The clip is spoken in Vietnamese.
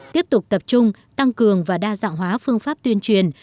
tiếp tục tập trung tăng cường và đa dạng hóa phương pháp tuyên truyền